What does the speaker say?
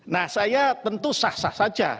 nah saya tentu sah sah saja